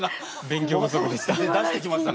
勉強不足でした。